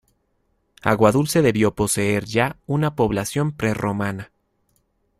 Aguadulce debió poseer ya, una población prerromana.